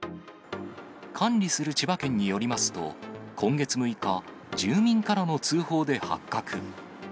管理する千葉県によりますと、今月６日、住民からの通報で発覚。